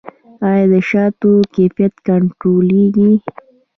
آیا د شاتو کیفیت کنټرولیږي؟